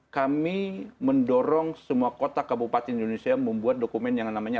kami mendorong semua kota kabupaten di indonesia membuat dokumen yang namanya